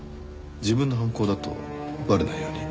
自分の犯行だとバレないように。